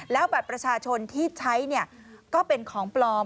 แล้วบัตรประชาชนที่ใช้ก็เป็นของปลอม